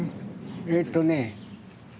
えっとね